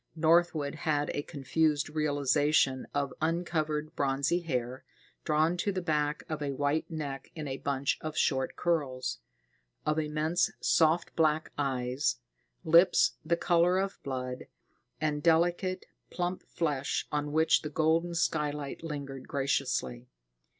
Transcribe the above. Northwood had a confused realization of uncovered bronzy hair, drawn to the back of a white neck in a bunch of short curls; of immense soft black eyes; lips the color of blood, and delicate, plump flesh on which the golden skylight lingered graciously.